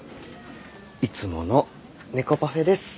いつものネコパフェです。